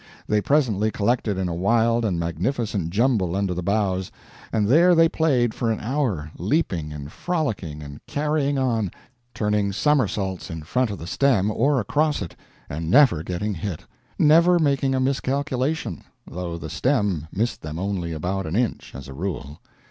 They presently collected in a wild and magnificent jumble under the bows, and there they played for an hour, leaping and frollicking and carrying on, turning summersaults in front of the stem or across it and never getting hit, never making a miscalculation, though the stem missed them only about an inch, as a rule.